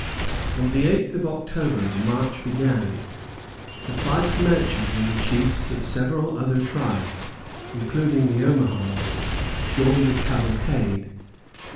On the 8th of October the march began, the five Comanches and the chiefs of several other tribes, including the Omahas, joining the cavalade.